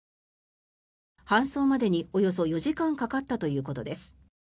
搬送までにおよそ４時間かかったということです。